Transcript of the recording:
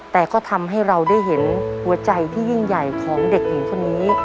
แต่ก็ทำให้เราได้เห็นหัวใจที่ยิ่งใหญ่ของเด็กหญิงคนนี้